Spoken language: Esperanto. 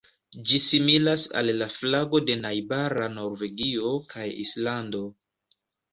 Ĝi similas al la flago de najbara Norvegio kaj Islando.